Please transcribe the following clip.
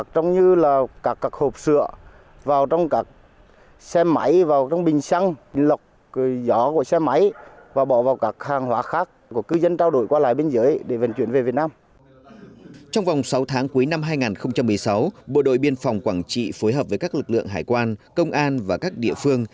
trong vòng sáu tháng cuối năm hai nghìn một mươi sáu bộ đội biên phòng quảng trị phối hợp với các lực lượng hải quan công an và các địa phương